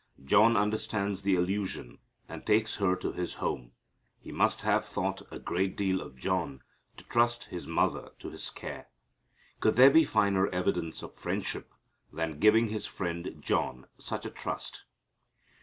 John understands the allusion and takes her to his own home. He must have thought a great deal of John to trust His mother to his care. Could there be finer evidence of friendship than giving His friend John such a trust?